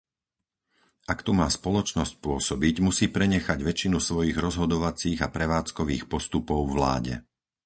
Ak tu má spoločnosť pôsobiť, musí prenechať väčšinu svojich rozhodovacích a prevádzkových postupov vláde.